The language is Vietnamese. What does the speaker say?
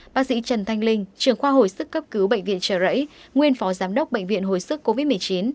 bác sĩ trần thanh linh trường khoa hồi sức cấp cứu bệnh viện trợ rẫy nguyên phó giám đốc bệnh viện hồi sức covid một mươi chín